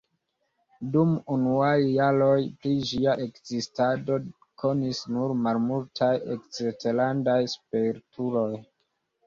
Dum unuaj jaroj pri ĝia ekzistado konis nur malmultaj eksterlandaj spertuloj.